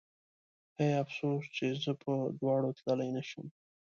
هی افسوس چې زه په دواړو تللی نه شم